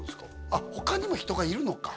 あっ他にも人がいるのか